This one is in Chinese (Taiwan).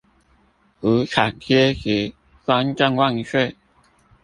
無產階級專政萬歲！